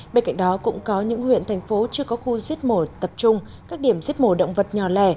bên cạnh đó cũng có những huyện thành phố chưa có khu giết mổ tập trung các điểm giết mổ động vật nhỏ lẻ